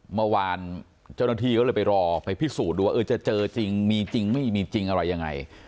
เมื่อวานเจ้าหน้าที่ก็เลยไปรอไปพิสูจน์ดูว่าจะเจอจริงมีจริงไม่มีจริงอะไรยังไง